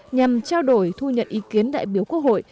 nhằm trao đổi thu nhận ý kiến đại biểu quốc hội